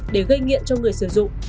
để gây nghiện cho người sử dụng